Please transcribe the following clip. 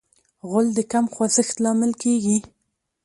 غول د کم خوځښت لامل کېږي.